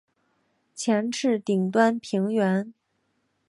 前翅顶端平圆。